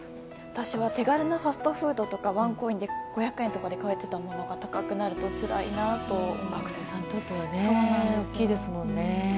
私は手軽なファストフードがワンコインの５００円で買えていたものが高くなるのは学生さんにとっては大きいですもんね。